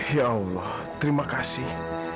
ya allah terima kasih